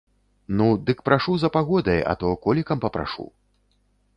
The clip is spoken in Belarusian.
Ну, дык прашу за пагодай, а то колікам папрашу.